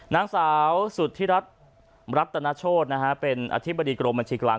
นางสาวสุธิรัฐรัตนโชธเป็นอธิบดีกรมบัญชีกลาง